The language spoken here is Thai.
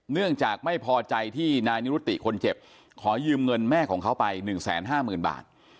เนื่องจากไม่พอใจที่นายนิรุติคนเจ็บขอยืมเงินแม่ของเขาไปหนึ่งแสนห้าหมื่นบาท